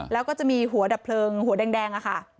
แล้วก็จะมีหัวดับเพลิงหัวแดงอะค่ะ